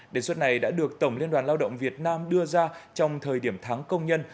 đề xuất này đã được tổng liên đoàn lao động việt nam đưa ra trong thời điểm tháng công nhân